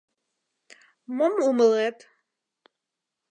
Мом умылет?